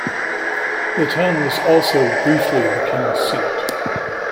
The town was also, briefly, the King's seat.